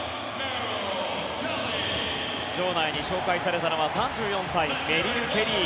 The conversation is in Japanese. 場内に紹介されたのは３４歳、メリル・ケリー。